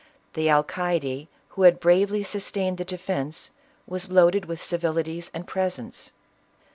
The alcayde, who had bravely sustained the defence, was loaded with civilities and presents.